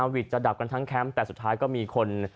วิทย์จะดับกันทั้งแคมป์แต่สุดท้ายก็มีคน